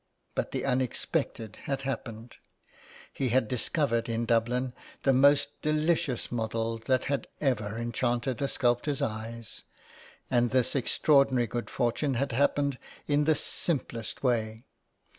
But the unexpected had happened. He had discovered 13 IN THE CLAY. in Dublin the most delicious model that had ever enchanted a sculptor's eyes, and this extraordinary good fortune had happened in the simplest way.